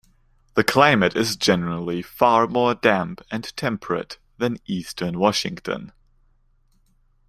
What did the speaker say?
The climate is generally far more damp and temperate than Eastern Washington.